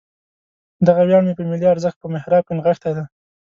دغه ویاړ مې په ملي ارزښت په محراب کې نغښتی دی.